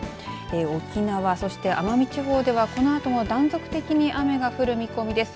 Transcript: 沖縄、そして奄美地方ではこのあとも断続的に雨が降る見込みです。